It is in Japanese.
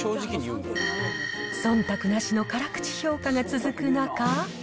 そんたくなしの辛口評価が続く中。